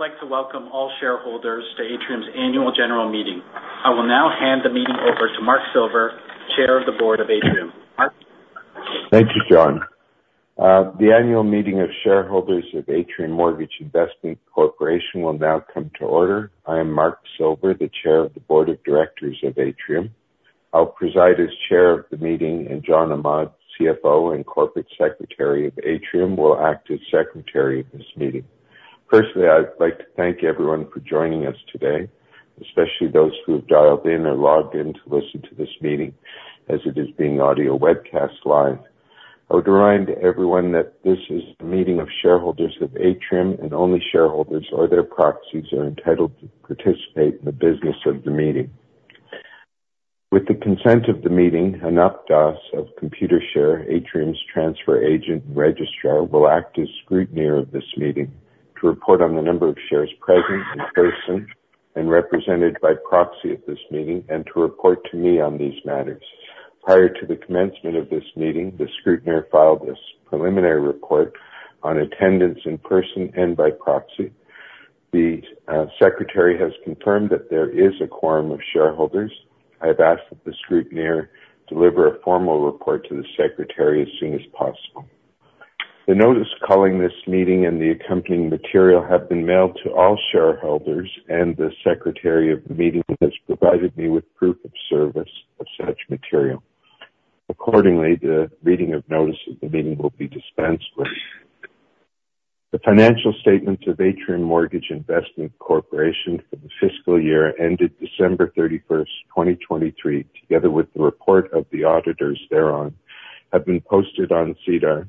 I would like to welcome all shareholders t o Atrium's Annual General Meeting. I will now hand the meeting over to Mark Silver, Chair of the Board of Atrium. Mark? Thank you, John. The annual meeting of shareholders of Atrium Mortgage Investment Corporation will now come to order. I am Mark Silver, the chair of the Board of Directors of Atrium. I'll preside as chair of the meeting, and John Ahmad, CFO and corporate secretary of Atrium, will act as secretary of this meeting. Firstly, I'd like to thank everyone for joining us today, especially those who have dialed in or logged in to listen to this meeting as it is being audio webcast live. I would remind everyone that this is the meeting of shareholders of Atrium, and only shareholders or their proxies are entitled to participate in the business of the meeting. With the consent of the meeting, Anup Das of Computershare, Atrium's transfer agent and registrar, will act as scrutineer of this meeting to report on the number of shares present in person and represented by proxy at this meeting, and to report to me on these matters. Prior to the commencement of this meeting, the scrutineer filed this preliminary report on attendance in person and by proxy. The secretary has confirmed that there is a quorum of shareholders. I have asked that the scrutineer deliver a formal report to the secretary as soon as possible. The notice calling this meeting and the accompanying material have been mailed to all shareholders, and the secretary of the meeting has provided me with proof of service of such material. Accordingly, the reading of notice of the meeting will be dispensed with. The financial statements of Atrium Mortgage Investment Corporation for the fiscal year ended December 31st, 2023, together with the report of the auditors thereon, have been posted on SEDAR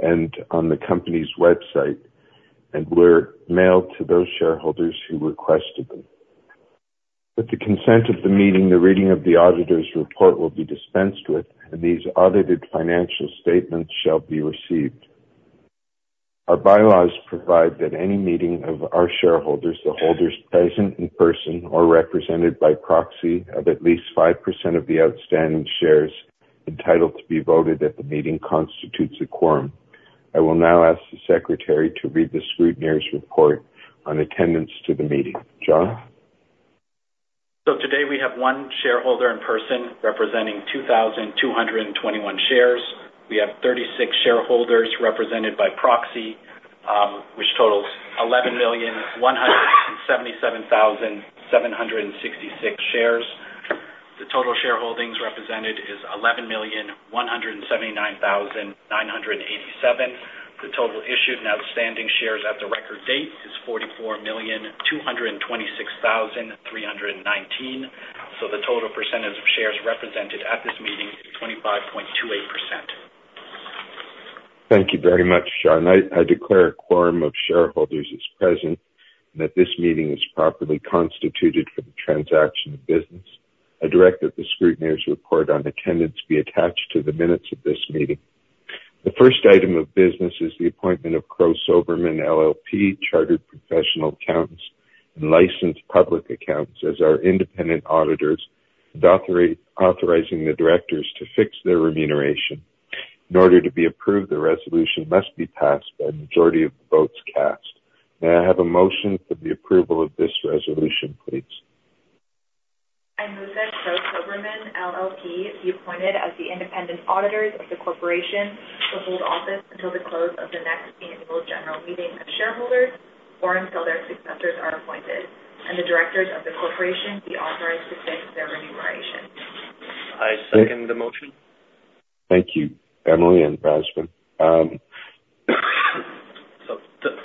and on the company's website and were mailed to those shareholders who requested them. With the consent of the meeting, the reading of the auditor's report will be dispensed with, and these audited financial statements shall be received. Our bylaws provide that any meeting of our shareholders, the holders present in person or represented by proxy of at least 5% of the outstanding shares entitled to be voted at the meeting, constitutes a quorum. I will now ask the secretary to read the scrutineer's report on attendance to the meeting. John? Today we have 1 shareholder in person representing 2,221 shares. We have 36 shareholders represented by proxy, which totals 11,177,766 shares. The total shareholdings represented is 11,179,987. The total issued and outstanding shares at the record date is 44,226,319. The total percentage of shares represented at this meeting is 25.28%. Thank you very much, John. I declare a quorum of shareholders is present and that this meeting is properly constituted for the transaction of business. I direct that the scrutineer's report on attendance be attached to the minutes of this meeting. The first item of business is the appointment of Crowe Soberman LLP, Chartered Professional Accountants and licensed public accountants, as our independent auditors, authorizing the directors to fix their remuneration. In order to be approved, the resolution must be passed by a majority of the votes cast. May I have a motion for the approval of this resolution, please? I move that Crowe Soberman LLP be appointed as the independent auditors of the corporation to hold office until the close of the next annual general meeting of shareholders, or until their successors are appointed, and the directors of the corporation be authorized to fix their remuneration. I second the motion. Thank you, Emily and Rajan.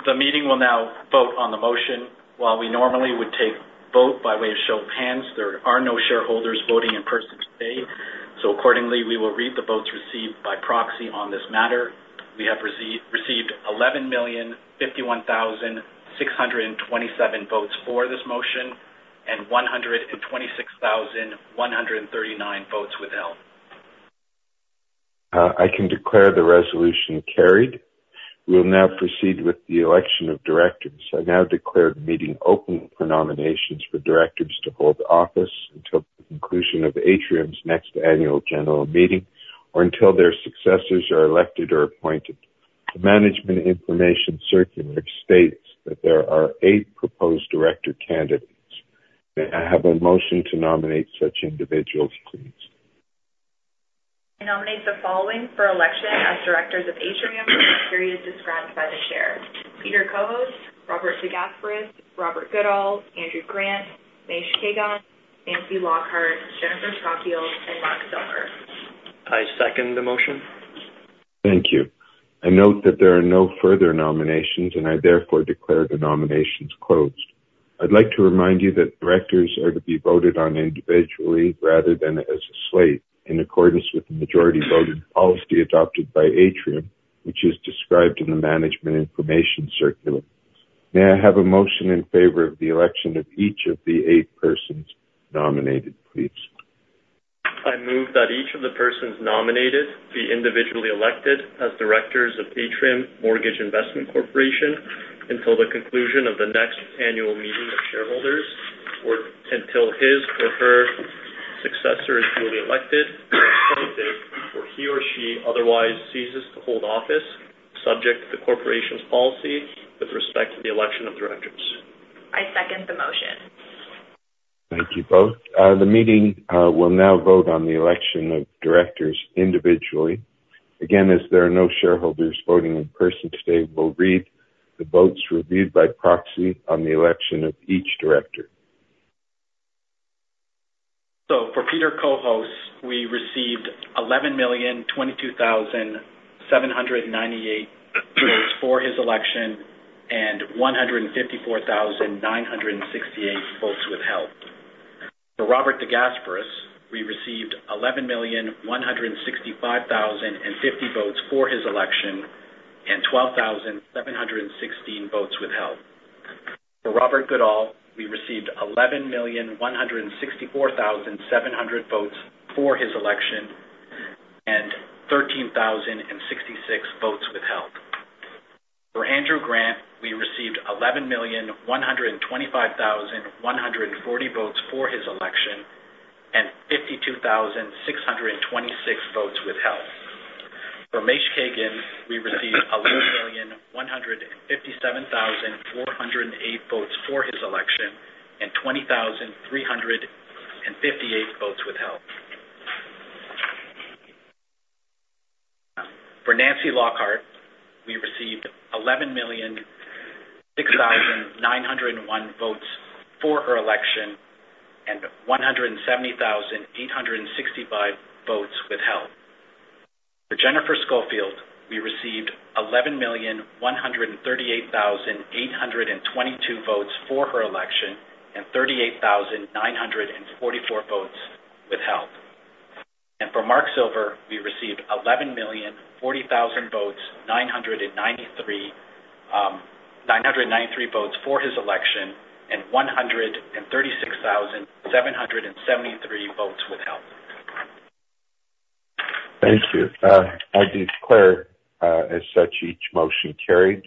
The meeting will now vote on the motion. While we normally would take vote by way of show of hands, there are no shareholders voting in person today, accordingly, we will read the votes received by proxy on this matter. We have received 11,051,627 votes for this motion and 126,139 votes withheld. I can declare the resolution carried. We will now proceed with the election of directors. I now declare the meeting open for nominations for directors to hold office until the conclusion of Atrium's next annual general meeting or until their successors are elected or appointed. The management information circular states that there are eight proposed director candidates. May I have a motion to nominate such individuals, please? I nominate the following for election as directors of Atrium for the period described by the chair: Peter Cohos, Robert DeGasperis, Robert Goodall, Andrew Grant, Maurice Kagan, Nancy Lockhart, Jennifer Scoffield, and Mark Silver. I second the motion. Thank you. I note that there are no further nominations. I therefore declare the nominations closed. I'd like to remind you that directors are to be voted on individually rather than as a slate, in accordance with the majority voting policy adopted by Atrium, which is described in the management information circular. May I have a motion in favor of the election of each of the eight persons nominated, please? I move that each of the persons nominated be individually elected as directors of Atrium Mortgage Investment Corporation until the conclusion of the next annual meeting of shareholders or until his or her successor is duly elected. She otherwise ceases to hold office, subject to the Corporation's policy with respect to the election of directors. I second the motion. Thank you both. The meeting will now vote on the election of directors individually. As there are no shareholders voting in person today, we'll read the votes reviewed by proxy on the election of each director. For Peter Cohos, we received 11,022,798 votes for his election and 154,968 votes withheld. For Robert DeGasperis, we received 11,165,050 votes for his election and 12,716 votes withheld. For Robert Goodall, we received 11,164,700 votes for his election and 13,066 votes withheld. For Andrew Grant, we received 11,125,140 votes for his election and 52,626 votes withheld. For Maurice Kagan, we received 11,157,408 votes for his election and 20,358 votes withheld. For Nancy Lockhart, we received 11,006,901 votes for her election and 170,865 votes withheld. For Jennifer Scoffield, we received 11,138,822 votes for her election and 38,944 votes withheld. For Mark Silver, we received 11,040,993 votes for his election and 136,773 votes withheld. Thank you. I declare as such, each motion carried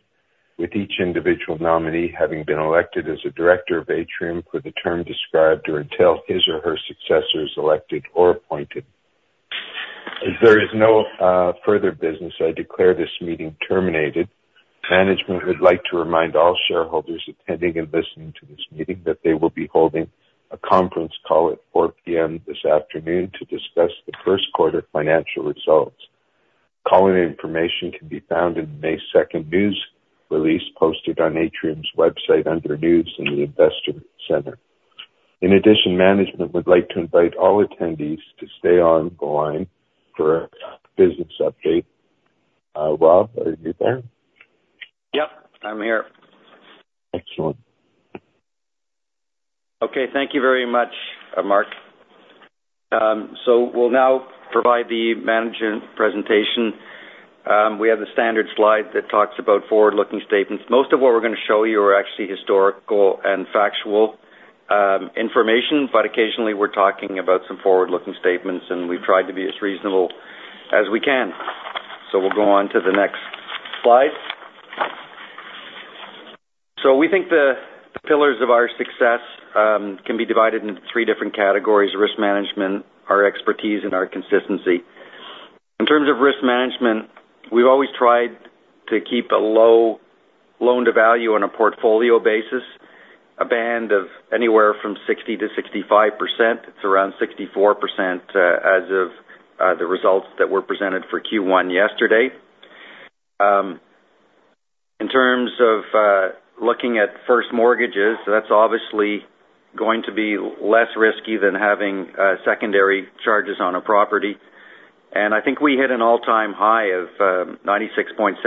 with each individual nominee having been elected as a director of Atrium for the term described, or until his or her successor is elected or appointed. If there is no further business, I declare this meeting terminated. Management would like to remind all shareholders attending and listening to this meeting that they will be holding a conference call at 4:00 P.M. this afternoon to discuss the Q1 financial results. Calling information can be found in May 2 news release, posted on Atrium's website under News in the Investor Center. Management would like to invite all attendees to stay on the line for a business update. Rob, are you there? Yep, I'm here. Excellent. Okay. Thank you very much, Mark. We'll now provide the management presentation. We have the standard slide that talks about forward-looking statements. Most of what we're going to show you are actually historical and factual information, but occasionally we're talking about some forward-looking statements, and we've tried to be as reasonable as we can. We'll go on to the next slide. We think the pillars of our success can be divided into three different categories: risk management, our expertise, and our consistency. In terms of risk management, we've always tried to keep a low loan-to-value on a portfolio basis, a band of anywhere from 60%-65%. It's around 64% as of the results that were presented for Q1 yesterday. In terms of looking at first mortgages, that's obviously going to be less risky than having secondary charges on a property. I think we hit an all-time high of 96.7%.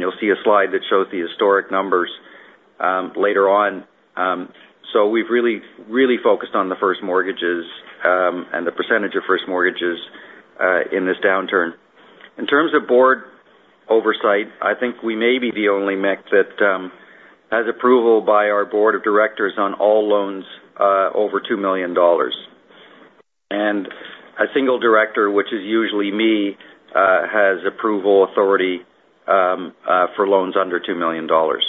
You'll see a slide that shows the historic numbers later on. We've really, really focused on the first mortgages and the percentage of first mortgages in this downturn. In terms of board oversight, I think we may be the only MIC that has approval by our board of directors on all loans over 2 million dollars. A single director, which is usually me, has approval authority for loans under 2 million dollars.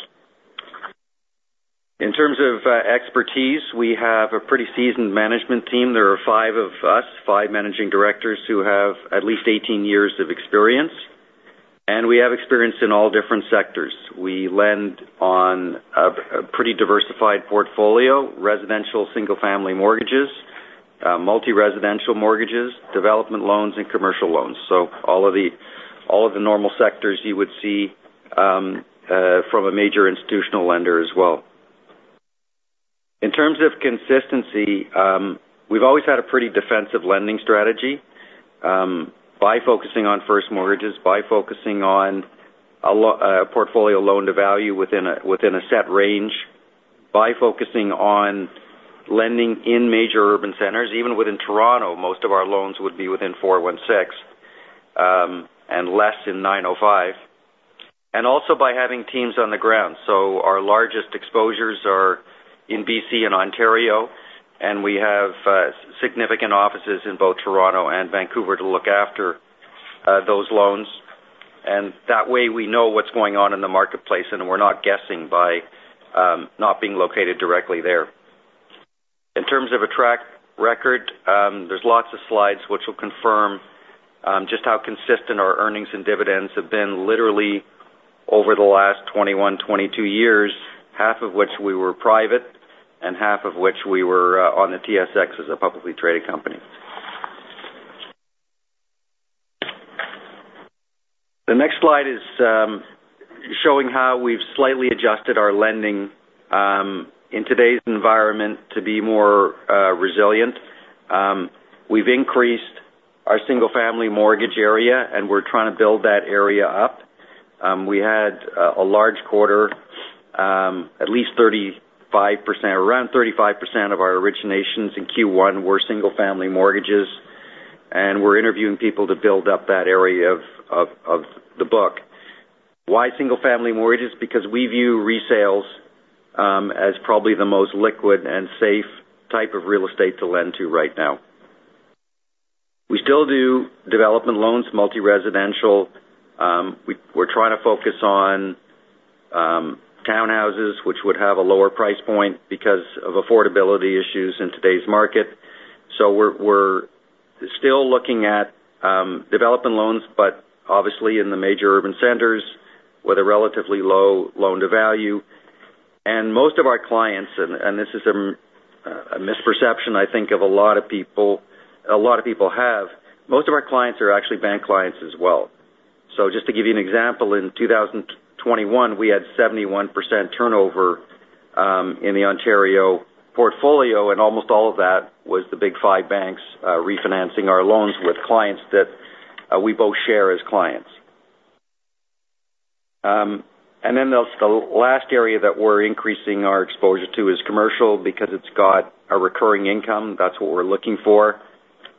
In terms of expertise, we have a pretty seasoned management team. There are 5 of us, 5 managing directors who have at least 18 years of experience, and we have experience in all different sectors. We lend on a pretty diversified portfolio, residential single-family mortgages, multi-residential mortgages, development loans, and commercial loans. All of the, all of the normal sectors you would see from a major institutional lender as well. In terms of consistency, we've always had a pretty defensive lending strategy by focusing on first mortgages, by focusing on a portfolio loan-to-value within a set range, by focusing on lending in major urban centers. Even within Toronto, most of our loans would be within 416, and less in 905, and also by having teams on the ground. Our largest exposures are in BC and Ontario, and we have significant offices in both Toronto and Vancouver to look after those loans. That way, we know what's going on in the marketplace, and we're not guessing by not being located directly there. In terms of a track record, there's lots of slides which will confirm just how consistent our earnings and dividends have been literally over the last 21, 22 years, half of which we were private and half of which we were on the TSX as a publicly traded company. The next slide is showing how we've slightly adjusted our lending in today's environment to be more resilient. We've increased our single-family mortgage area, and we're trying to build that area up. We had a large quarter, at least 35%. Around 35% of our originations in Q1 were single-family mortgages, and we're interviewing people to build up that area of the book. Why single-family mortgages? Because we view resales as probably the most liquid and safe type of real estate to lend to right now. We still do development loans, multi-residential. We're trying to focus on townhouses, which would have a lower price point because of affordability issues in today's market. We're still looking at development loans, but obviously in the major urban centers with a relatively low loan-to-value. Most of our clients, and this is a misperception I think of a lot of people have. Most of our clients are actually bank clients as well. Just to give you an example, in 2021, we had 71% turnover in the Ontario portfolio, and almost all of that was the Big Five banks refinancing our loans with clients that we both share as clients. The last area that we're increasing our exposure to is commercial, because it's got a recurring income. That's what we're looking for.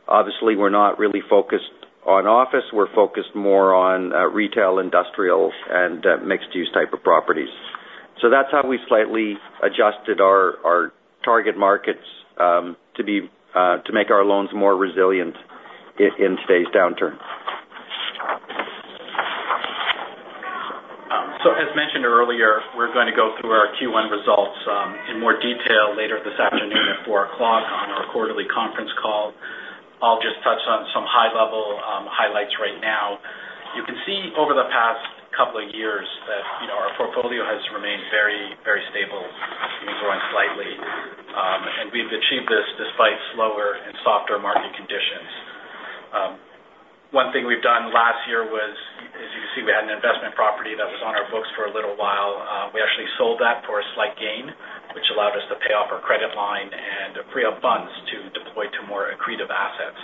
Obviously, we're not really focused on office. We're focused more on retail, industrial, and mixed-use type of properties. That's how we slightly adjusted our target markets to be to make our loans more resilient in today's downturn. As mentioned earlier, we're going to go through our Q1 results in more detail later this afternoon at 4:00 on our quarterly conference call. I'll just touch on some high-level highlights right now. You can see over the past couple of years that, you know, our portfolio has remained very stable and growing slightly. We've achieved this despite slower and softer market conditions. One thing we've done last year was, as you can see, we had an investment property that was on our books for a little while. We actually sold that for a slight gain, which allowed us to pay off our credit line and free up funds to deploy to more accretive assets.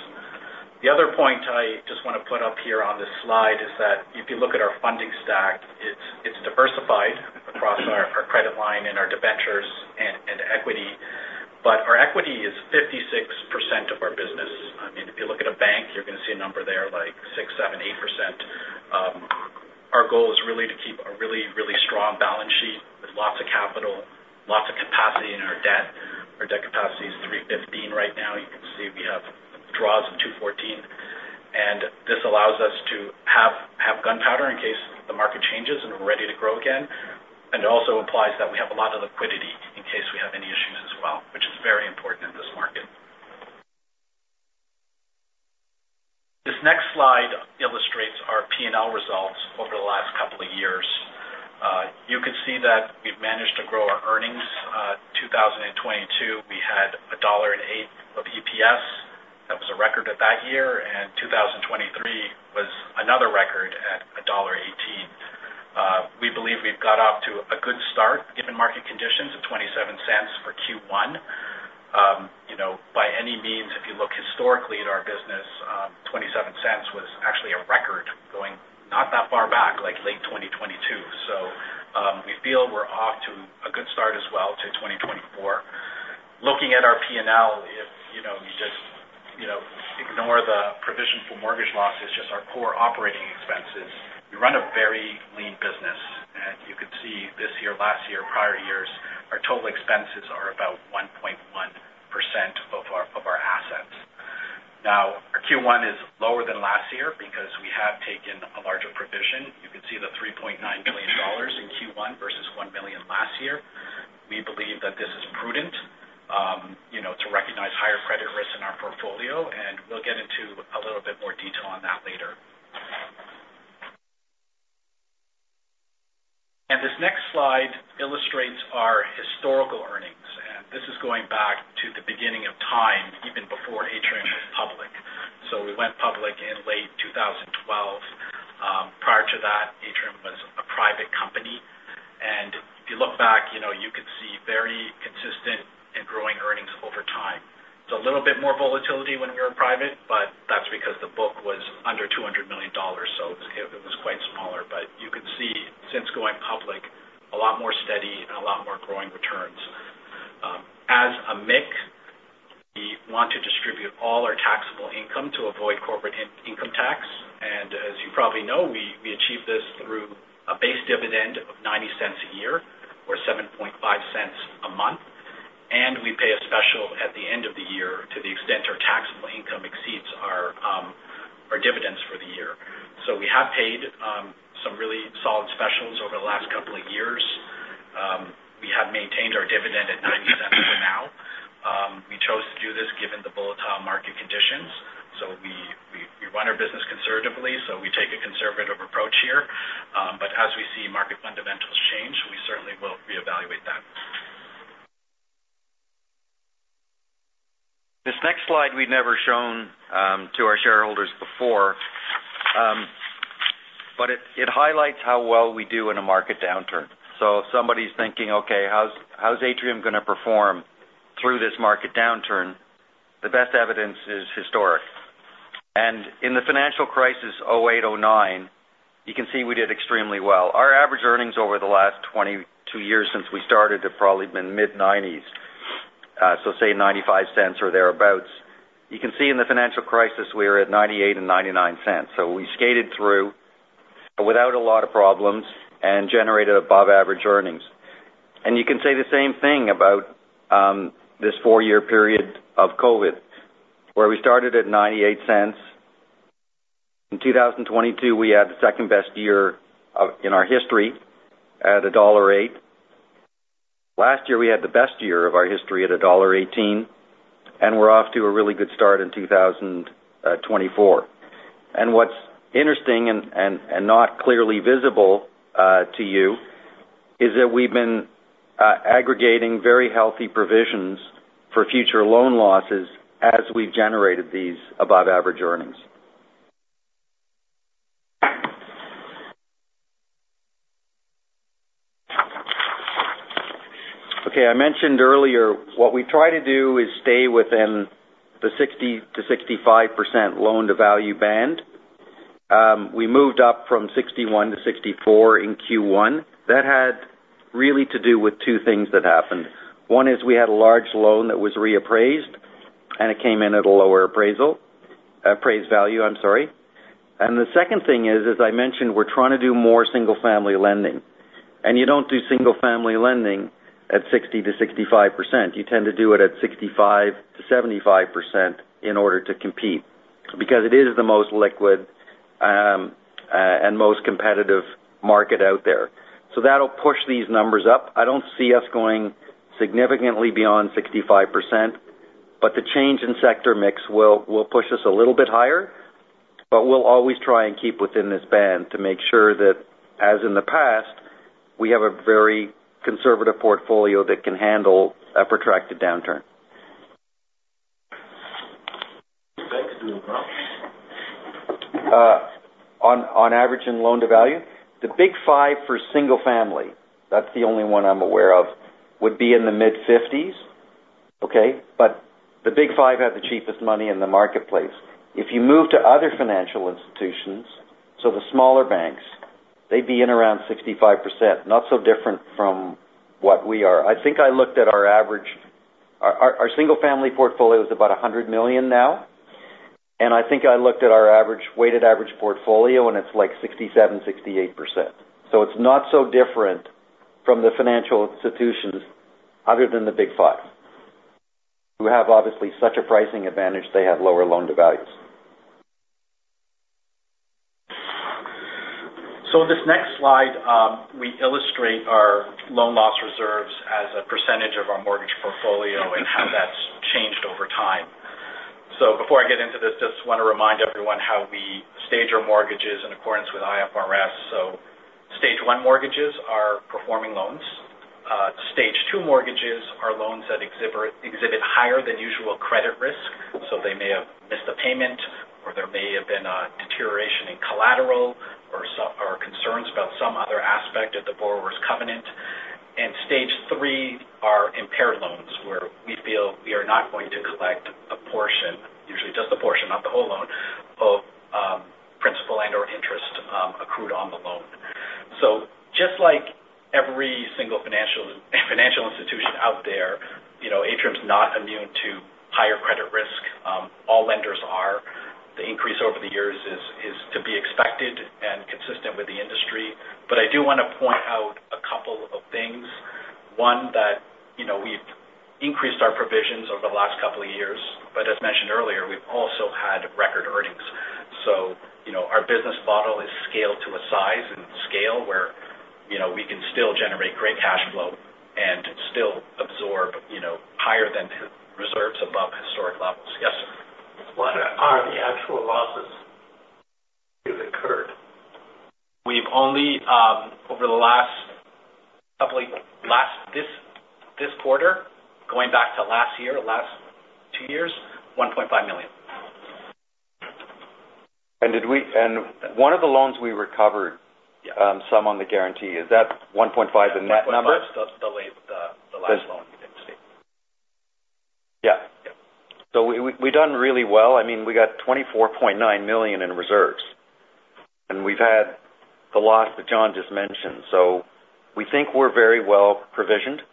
The other point I just want to put up here on this slide is that if you look at our funding stack, it's diversified across our credit line and our debentures and equity, but our equity is 56% of our business. I mean, if you look at a bank, you're going to see a number there like 6%, 7%, 8%. Our goal is really to keep a really strong balance sheet with lots of capital, lots of capacity in our debt. Our debt capacity is 315 right now. You can see we have draws of 214. This allows us to have gunpowder in case the market changes and we're ready to grow again. It also implies that we have a lot of liquidity in case we have any issues as well, which is very important in this market. This next slide illustrates our P&L results over the last couple of years. You can see that we've managed to grow our earnings. 2022, we had 1.08 dollar of EPS. That was a record at that year. 2023 was another record at dollar 1.18. We believe we've got off to a good start, given market conditions of 0.27 for Q1. You know, by any means, if you look historically at our business, 0.27 was actually a record going not that far back, like late 2022. We feel we're off to a good start as well to 2024. Looking at our P&L, if, you know, you just, you know, ignore the provision for mortgage losses, just our core operating expenses, we run a very lean business, and you can see this year, last year, prior years, our total expenses are about 1.1% of our, of our assets. Now, our Q1 is lower than last year because we have taken a larger provision. You can see the 3.9 billion dollars in Q1 versus 1 million last year. We believe that this is prudent, you know, to recognize higher credit risks in our portfolio. We'll get into a little bit more detail on that later. This next slide illustrates our historical earnings. This is going back to the beginning of time, even before Atrium was public. We went public in late 2012. Prior to that, Atrium was a private company. If you look back, you know, you can see very consistent and growing earnings over time. It's a little bit more volatility when we were private. That's because the book was under 200 million dollars, it was quite smaller. You can see, since going public, a lot more steady and a lot more growing returns. As a MIC, we want to distribute all our taxable income to avoid corporate in-income tax. As you probably know, we achieve this through a base dividend of 0.90 a year, or 0.075 a month. We pay a special at the end of the year to the extent our taxable income exceeds our dividends for the year. We have paid some years. We have maintained our dividend at 0.90 for now. We chose to do this given the volatile market conditions. We run our business conservatively, so we take a conservative approach here. As we see market fundamentals change, we certainly will reevaluate that. This next slide we've never shown to our shareholders before. It, it highlights how well we do in a market downturn. If somebody's thinking: "Okay, how's Atrium going to perform through this market downturn?" The best evidence is historic. In the financial crisis, 2008, 2009, you can see we did extremely well. Our average earnings over the last 22 years since we started, have probably been mid-nineties. say 0.95 or thereabouts. You can see in the financial crisis, we were at 0.98 and 0.99. We skated through without a lot of problems and generated above average earnings. You can say the same thing about this four-year period of COVID, where we started at 0.98. In 2022, we had the second best year in our history at dollar 1.08. Last year, we had the best year of our history at dollar 1.18, and we're off to a really good start in 2024. What's interesting and not clearly visible to you, is that we've been aggregating very healthy provisions for future loan losses as we've generated these above average earnings. Okay, I mentioned earlier, what we try to do is stay within the 60%-65% loan-to-value band. We moved up from 61-64 in Q1. That had really to do with 2 things that happened. One is we had a large loan that was reappraised, and it came in at a lower appraisal. Appraised value, I'm sorry. The second thing is, as I mentioned, we're trying to do more single-family lending. You don't do single-family lending at 60%-65%. You tend to do it at 65%-75% in order to compete, because it is the most liquid and most competitive market out there. That'll push these numbers up. I don't see us going significantly beyond 65%, but the change in sector mix will push us a little bit higher. We'll always try and keep within this band to make sure that, as in the past, we have a very conservative portfolio that can handle a protracted downturn. Banks doing well? On average, in loan-to-value, the Big Five for single family, that's the only one I'm aware of, would be in the mid-fifties. The Big Five have the cheapest money in the marketplace. If you move to other financial institutions, so the smaller banks, they'd be in around 65%. Not so different from what we are. I think I looked at our single-family portfolio is about 100 million now, and I think I looked at our weighted average portfolio, and it's like 67%, 68%. It's not so different from the financial institutions, other than the Big Five, who have obviously such a pricing advantage, they have lower loan-to-values. This next slide, we illustrate our loan loss reserves as a % of our mortgage portfolio and how that's changed over time. Before I get into this, just want to remind everyone how we stage our mortgages in accordance with IFRS. Stage 1 mortgages are performing loans. Stage 2 mortgages are loans that exhibit higher than usual credit risk, so they may have missed a payment, or there may have been a deterioration in collateral, or concerns about some other aspect of the borrower's covenant. Stage 3 are impaired loans, where we feel we are not going to collect a portion, usually just a portion, not the whole loan, of principal and/or interest accrued on the loan. Just like every single financial institution out there, you know, Atrium is not immune to higher credit risk. all lenders are. The increase over the years is to be expected and consistent with the industry. I do want to point out a couple of things. One, that, you know, we've increased our provisions over the last couple of years, but as mentioned earlier, we've also had record earnings. you know, our business model is scaled to a size and scale where, you know, we can still generate great cash flow and still absorb, you know, higher than reserves above historic levels. Yes? What are the actual losses you've incurred? We've only, over the last, probably last... This quarter, going back to last year, last two years, 1.5 million. One of the loans we recovered. Yeah. Some on the guarantee, is that 1.5, the net number? 1.5, that's the late, the last loan you didn't see. Yeah. Yeah. We've done really well. I mean, we got 24.9 million in reserves, and we've had the loss that John just mentioned. We think we're very well provisioned,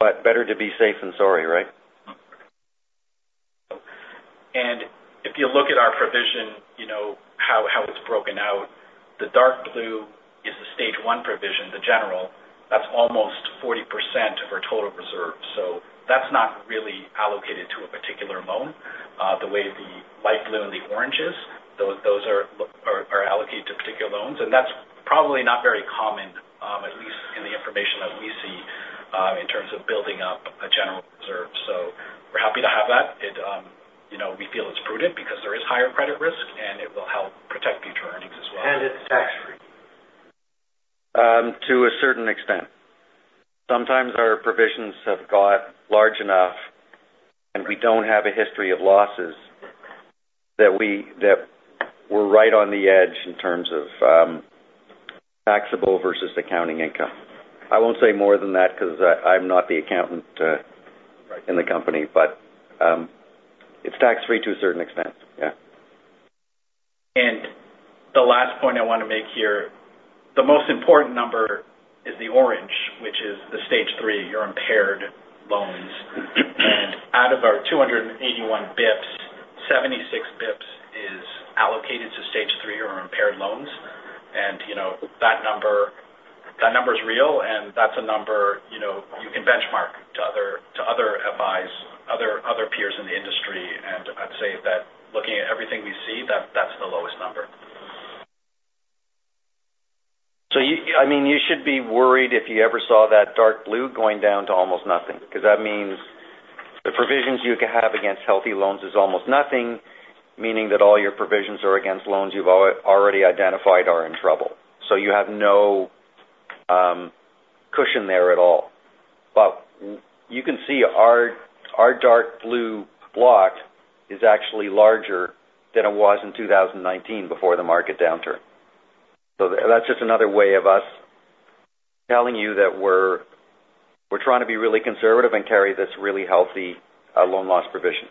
but better to be safe than sorry, right? If you look at our provision, you know, how it's broken out, the dark blue is the Stage 1 provision, the general... almost 40% of our total reserves. That's not really allocated to a particular loan, the way the light blue and the orange is. Those are allocated to particular loans, and that's probably not very common, at least in the information that we see, in terms of building up a general reserve. We're happy to have that. It, you know, we feel it's prudent because there is higher credit risk, and it will help protect future earnings as well. It's tax-free. To a certain extent. Sometimes our provisions have got large enough, and we don't have a history of losses that we're right on the edge in terms of taxable versus accounting income. I won't say more than that because I'm not the accountant in the company. It's tax free to a certain extent. Yeah. The last point I want to make here, the most important number is the orange, which is the Stage 3, your impaired loans. Out of our 281 BPS, 76 BPS is allocated to Stage 3 or impaired loans. You know, that number is real, and that's a number, you know, you can benchmark to other FIs, other peers in the industry. I'd say that looking at everything we see, that's the lowest number. I mean, you should be worried if you ever saw that dark blue going down to almost nothing, because that means the provisions you could have against healthy loans is almost nothing, meaning that all your provisions are against loans you've already identified are in trouble. You have no cushion there at all. You can see our dark blue block is actually larger than it was in 2019 before the market downturn. That's just another way of us telling you that we're trying to be really conservative and carry this really healthy loan loss provision.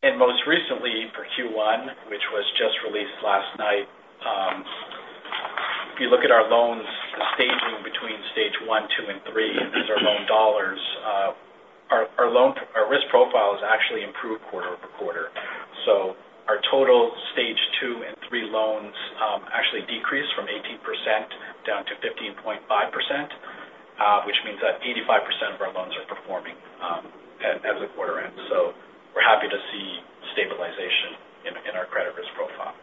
Most recently, for Q1, which was just released last night, if you look at our loans, the staging between Stage 1, Stage 2, and Stage 3, these are loan dollars. Our loan risk profile has actually improved quarter-over-quarter. Our total Stage 2 and Stage 3 loans actually decreased from 18% down to 15.5%, which means that 85% of our loans are performing as the quarter ends. We're happy to see stabilization in our credit risk profile.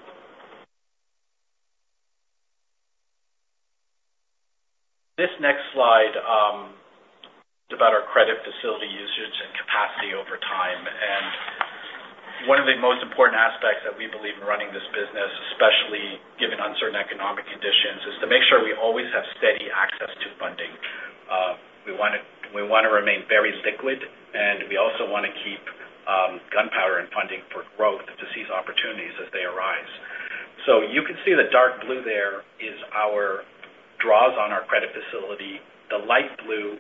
This next slide is about our credit facility usage and capacity over time. One of the most important aspects that we believe in running this business, especially given uncertain economic conditions, is to make sure we always have steady access to funding. We want to remain very liquid, and we also want to keep gunpowder and funding for growth to seize opportunities as they arise. You can see the dark blue there is our draws on our credit facility. The light blue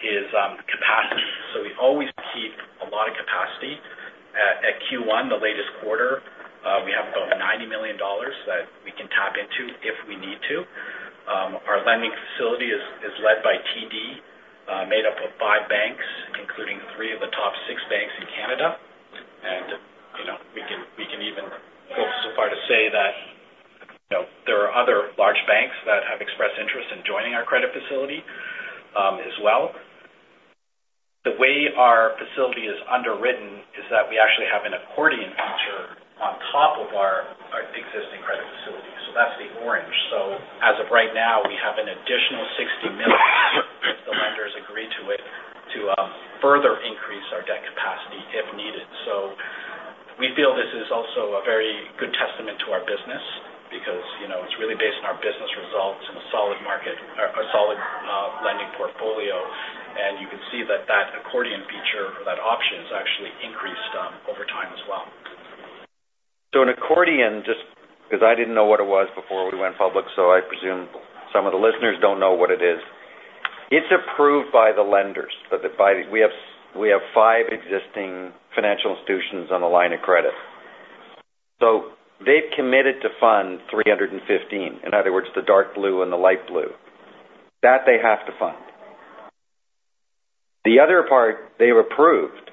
is capacity. We always keep a lot of capacity. At Q1, the latest quarter, we have about 90 million dollars that we can tap into if we need to. Our lending facility is led by TD, made up of five banks, including three of the top six banks in Canada. you know, we can even go so far to say that, you know, there are other large banks that have expressed interest in joining our credit facility as well. The way our facility is underwritten is that we actually have an accordion feature on top of our existing credit facility, so that's the orange. As of right now, we have an additional 60 million, if the lenders agree to it, to further increase our debt capacity if needed. We feel this is also a very good testament to our business because, you know, it's really based on our business results and a solid market, a solid lending portfolio. You can see that that accordion feature, that option, has actually increased over time as well. An accordion, just because I didn't know what it was before we went public, I presume some of the listeners don't know what it is. It's approved by the lenders, by the five existing financial institutions on the line of credit. They've committed to fund 315. In other words, the dark blue and the light blue. That they have to fund. The other part, they've approved,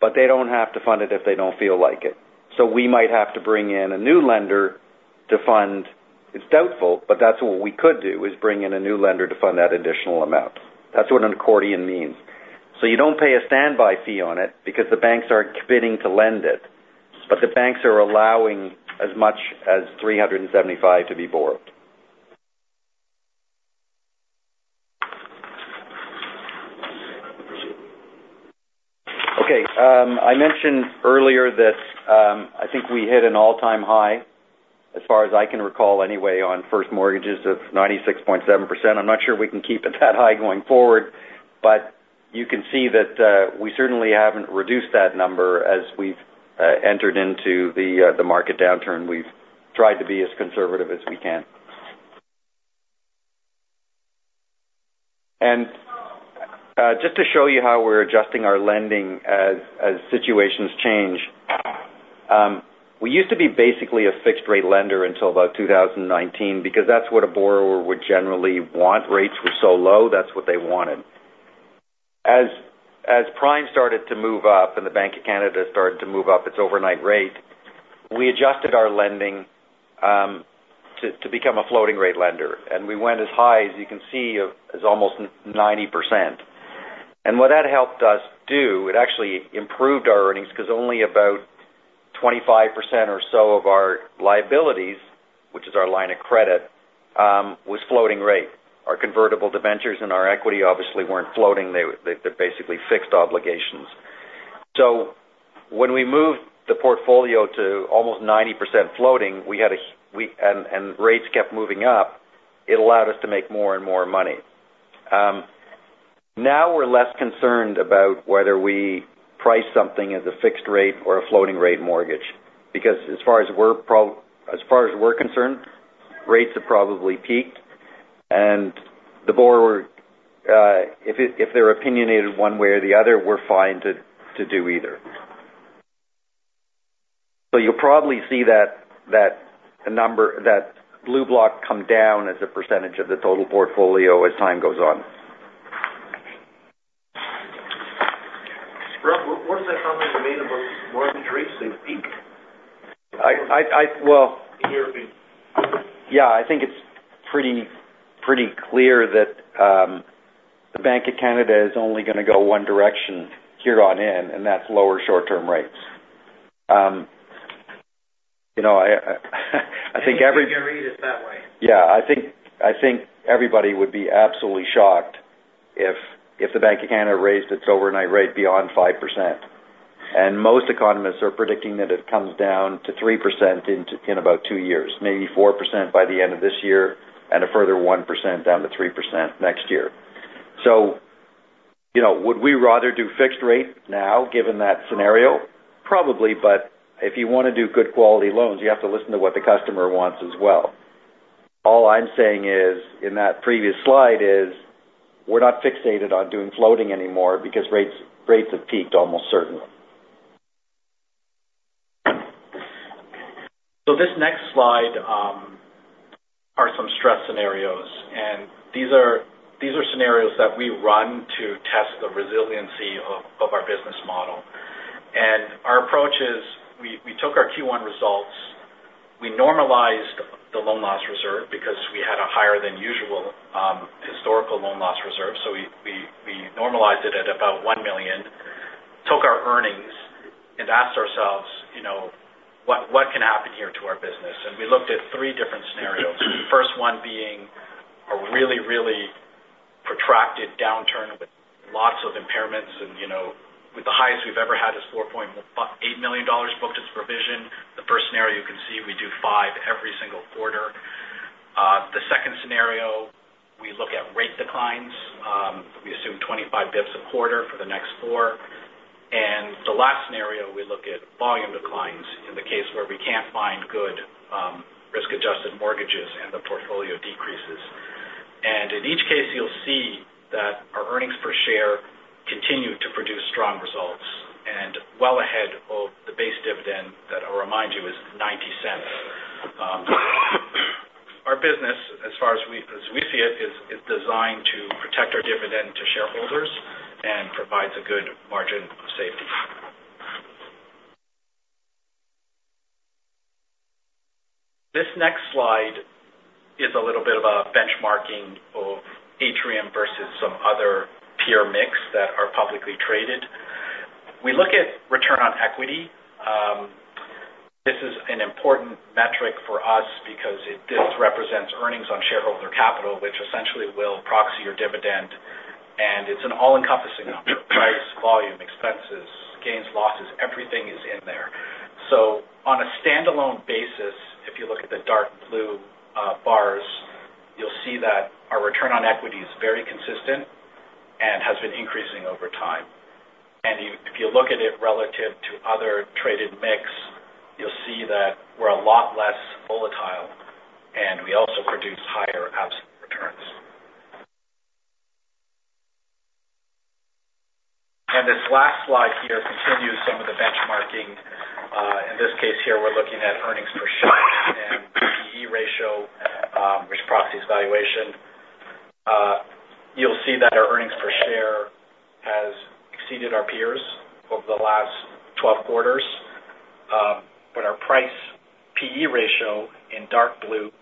but they don't have to fund it if they don't feel like it. We might have to bring in a new lender to fund. It's doubtful, but that's what we could do, is bring in a new lender to fund that additional amount. That's what an accordion means. You don't pay a standby fee on it because the banks aren't committing to lend it, but the banks are allowing as much as 375 to be borrowed. Okay, I mentioned earlier that I think we hit an all-time high, as far as I can recall anyway, on first mortgages of 96.7%. I'm not sure we can keep it that high going forward, but you can see that we certainly haven't reduced that number as we've entered into the market downturn. We've tried to be as conservative as we can. Just to show you how we're adjusting our lending as situations change, we used to be basically a fixed rate lender until about 2019, because that's what a borrower would generally want. Rates were so low, that's what they wanted. As prime started to move up and the Bank of Canada started to move up its overnight rate, we adjusted our lending to become a floating rate lender, and we went as high as you can see, as almost 90%. What that helped us do, it actually improved our earnings, because only about 25% or so of our liabilities, which is our line of credit, was floating rate. Our convertible debentures and our equity obviously weren't floating. They're basically fixed obligations. When we moved the portfolio to almost 90% floating, rates kept moving up, it allowed us to make more and more money. Now we're less concerned about whether we price something as a fixed rate or a floating rate mortgage, because as far as we're concerned, rates have probably peaked. The borrower, if they're opinionated one way or the other, we're fine to do either. You'll probably see that number, that blue block come down as a percentage of the total portfolio as time goes on. Rob, what's that comment you made about mortgage rates, they've peaked? In your opinion. I think it's pretty clear that the Bank of Canada is only going to go one direction here on in, and that's lower short-term rates. You know, I think You can read it that way. Yeah, I think everybody would be absolutely shocked if the Bank of Canada raised its overnight rate beyond 5%. Most economists are predicting that it comes down to 3% in about two years. Maybe 4% by the end of this year, and a further 1% down to 3% next year. You know, would we rather do fixed rate now, given that scenario? Probably. If you want to do good quality loans, you have to listen to what the customer wants as well. All I'm saying is, in that previous slide, is we're not fixated on doing floating anymore because rates have peaked almost certainly. This next slide are some stress scenarios, and these are scenarios that we run to test the resiliency of our business model. Our approach is, we took our Q1 results, we normalized the loan loss reserve because we had a higher than usual historical loan loss reserve. We normalized it at about 1 million, took our earnings and asked ourselves, you know, what can happen here to our business? We looked at 3 different scenarios. The first one being a really protracted downturn with lots of impairments. You know, with the highest we've ever had is 4.8 million dollars booked as provision. The first scenario you can see, we do 5 every single quarter. The second scenario, we look at rate declines. We assume 25 BPS a quarter for the next four. The last scenario, we look at volume declines in the case where we can't find good, risk-adjusted mortgages and the portfolio decreases. In each case, you'll see that our earnings per share continue to produce strong results and well ahead of the base dividend that I'll remind you is $0.90. Our business, as far as we, as we see it, is designed to protect our dividend to shareholders and provides a good margin of safety. This next slide is a little bit of a benchmarking of Atrium versus some other peer MICs that are publicly traded. We look at return on equity. This is an important metric for us because this represents earnings on shareholder capital, which essentially will proxy your dividend, and it's an all-encompassing number. Price, volume, expenses, gains, losses, everything is in there. On a standalone basis, if you look at the dark blue bars, you'll see that our return on equity is very consistent and has been increasing over time. If you, if you look at it relative to other traded MICs, you'll see that we're a lot less volatile, and we also produce higher absolute returns. This last slide here continues some of the benchmarking. In this case here, we're looking at earnings per share and P/E ratio, which proxies valuation. You'll see that our earnings per share has exceeded our peers over the last 12 quarters. Our price P/E ratio in dark blue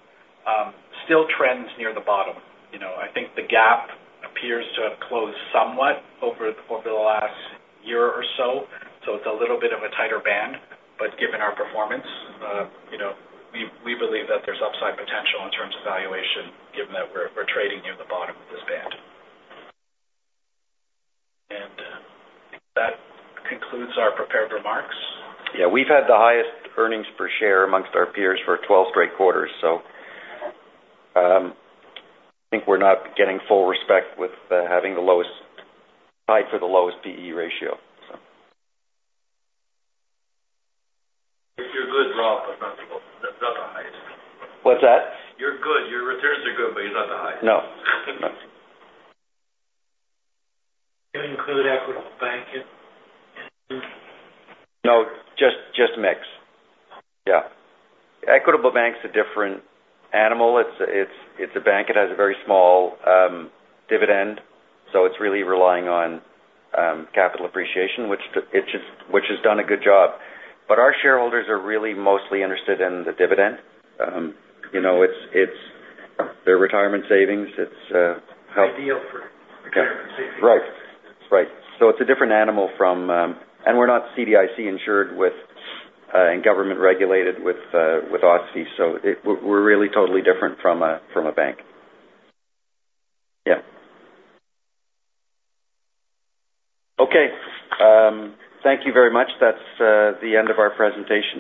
still trends near the bottom. You know, I think the gap appears to have closed somewhat over the last year or so. It's a little bit of a tighter band, but given our performance, you know, we believe that there's upside potential in terms of valuation, given that we're trading near the bottom of this band. That concludes our prepared remarks. Yeah, we've had the highest earnings per share amongst our peers for 12 straight quarters, so, I think we're not getting full respect with, having the lowest... Tied for the lowest P/E ratio, so. You're good, Rob, but not the highest. What's that? You're good. Your returns are good, but you're not the highest. No. No. Do you include Equitable Bank in? No, just MICs. Yeah. Equitable Bank's a different animal. It's a bank. It has a very small dividend, so it's really relying on capital appreciation, which has done a good job. Our shareholders are really mostly interested in the dividend. you know, it's their retirement savings. Ideal for retirement savings. Right. Right. It's a different animal from. We're not CDIC insured with and government regulated with OSFI. We're really totally different from a, from a bank. Yeah. Okay, thank you very much. That's the end of our presentation.